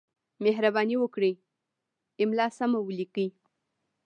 مهرباني وکړئ! املا سمه ولیکئ!